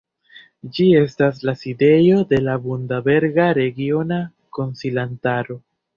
Ĝi estas la sidejo de la Bundaberga Regiona Konsilantaro.